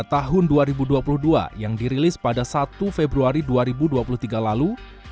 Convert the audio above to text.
tahun dua ribu dua puluh dua yang dirilis pada satu februari dua ribu dua puluh tiga lalu